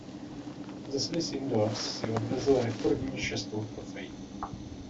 Ze Swiss Indoors si odvezl rekordní šestou trofej.